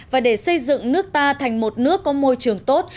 và để xây dựng nước ta thành một nước có môi trường tốt